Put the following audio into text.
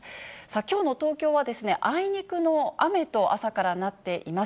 きょうの東京は、あいにくの雨と、朝からなっています。